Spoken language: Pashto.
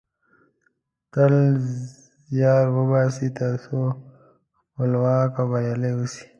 تل زیار وباسه ترڅو خپلواک او بریالۍ اوسی